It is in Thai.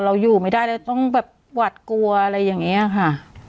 เราอยู่ไม่ได้เราต้องแบบหวัดกลัวอะไรอย่างนี้ค่ะ